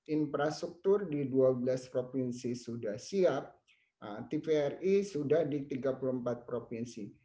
infrastruktur di dua belas provinsi sudah siap tvri sudah di tiga puluh empat provinsi